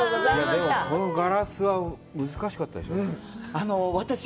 このガラスは難しかったでしょ私